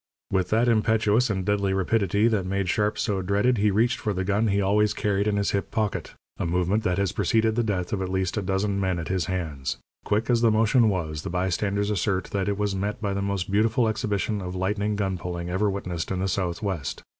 With that impetuous and deadly rapidity that made Sharp so dreaded, he reached for the gun he always carried in his hip pocket a movement that has preceded the death of at least a dozen men at his hands. Quick as the motion was, the bystanders assert that it was met by the most beautiful exhibition of lightning gun pulling ever witnessed in the Southwest.